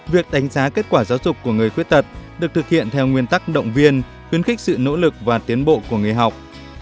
việc đánh giá kết quả giáo dục của người khuyết tật được thực hiện theo nguyên tắc động viên khuyến khích sự nỗ lực và tiến bộ của người học